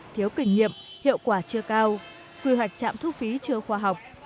thiếu kinh nghiệm hiệu quả chưa cao quy hoạch trạm thu phí chưa khoa học